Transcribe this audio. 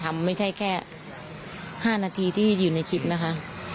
ไม่ใช่แค่๕นาทีที่อยู่ในคลิปนะคะ